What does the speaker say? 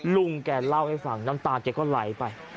ลุงแกเล่าให้ฟังน้ำตาแกก็ไหลไป